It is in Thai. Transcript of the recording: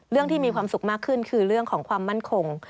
ที่มีความสุขมากขึ้นคือเรื่องของความมั่นคง